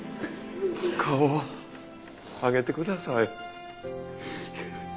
・顔をあげてください